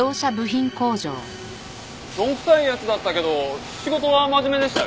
どんくさい奴だったけど仕事は真面目でしたよ。